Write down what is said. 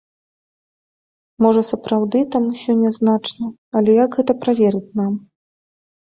Можа, сапраўды там усё нязначна, але як гэта праверыць нам?